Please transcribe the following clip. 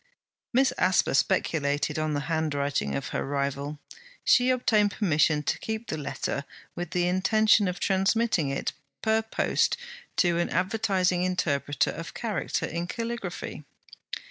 Miss Asper speculated on the handwriting of her rival. She obtained permission to keep the letter, with the intention of transmitting it per post to an advertising interpreter of character in caligraphy.